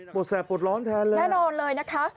ปวดแสบปวดร้อนแทนเลยนะครับแน่นอนเลยนะคะ